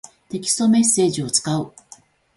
テキストメッセージを使う。